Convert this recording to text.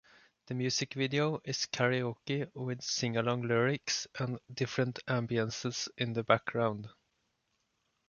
The music video is karaoke with sing-along lyrics and different ambiences in the background.